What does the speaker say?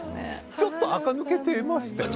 ちょっとあか抜けてましたよね